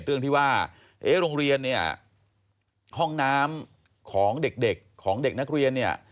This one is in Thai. เรื่องที่ว่าเอ๊ะโรงเรียนเนี่ยห้องน้ำของเด็กของเด็กนักเรียนเนี่ย